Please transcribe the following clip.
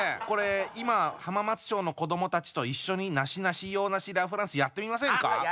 これ今浜松町の子どもたちと一緒に「なしなし洋なしラ・フランス」やってみませんか？